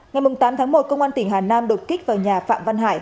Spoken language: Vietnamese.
ngày tám tháng một công an tỉnh hà nam đột kích vào nhà phạm văn hải